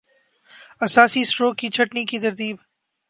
اساسی-سٹروک کی چھٹنی کی ترتیب